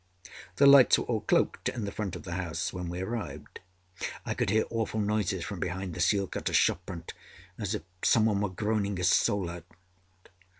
The lights were all cloaked in the front of the house when we arrived. I could hear awful noises from behind the seal cutter's shop front, as if some one were groaning his soul out.